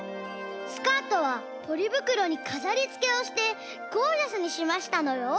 スカートはポリぶくろにかざりつけをしてゴージャスにしましたのよ！